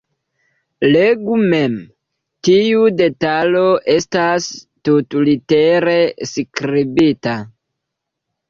Legu mem: tiu detalo estas tutlitere skribita.